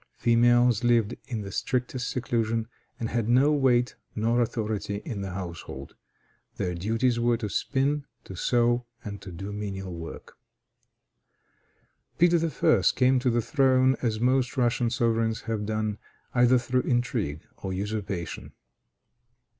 Females lived in the strictest seclusion, and had no weight nor authority in the household. Their duties were to spin, to sew, and to do menial work. Peter I. came to the throne, as most Russian sovereigns have done, either through intrigue or usurpation.